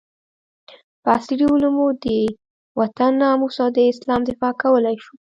په عصري علومو د وطن ناموس او د اسلام دفاع کولي شو